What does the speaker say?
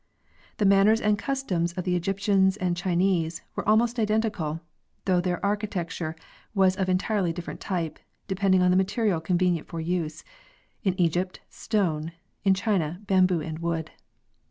The manners and customs of the Egyp tians and Chinese were almost. identical, though their architec ture was of entirely different type, depending on the material convenient for use—in Egypt, stone; in China, bamboo and wood.